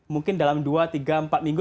mungkin dalam dua tiga empat minggu